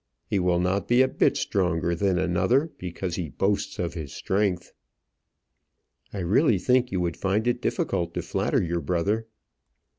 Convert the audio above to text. He will not be a bit stronger than another because he boasts of his strength." "I really think you would find it difficult to flatter your brother."